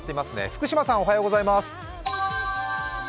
福島さん、おはようございます。